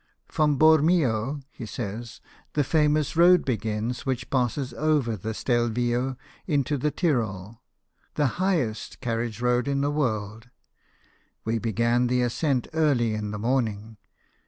" From Bormio," he says, " the famous road begins which passes over the Stelvio into the Tyrol ; the highest carriage road in the world. We began the ascent early in the morning.